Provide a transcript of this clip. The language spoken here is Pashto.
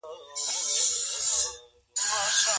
له زوم سره بايد د ستونزو په اړه وغږېږئ.